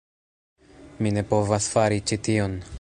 Mi ne povas fari ĉi tion!